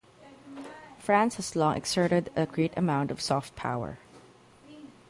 France has long exerted a great amount of soft power.